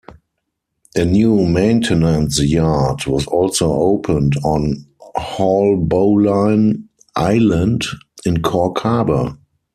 A new maintenance yard was also opened on Haulbowline Island in Cork Harbour.